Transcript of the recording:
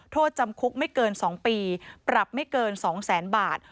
โทษจำคุกไม่เกิน๒ปีปรับไม่เกิน๒แสนบาท